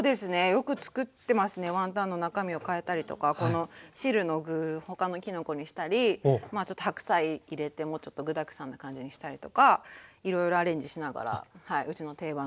よくつくってますねワンタンの中身をかえたりとかこの汁の具他のきのこにしたりちょっと白菜入れてもうちょっと具だくさんな感じにしたりとかいろいろアレンジしながらうちの定番の大人気スープです。